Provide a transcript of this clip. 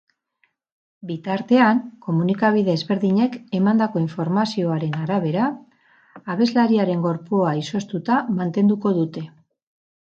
Bitartean, komunikabide ezberdinek emandako informazioaren arabera, abeslariaren gorpua izoztuta mantenduko dute.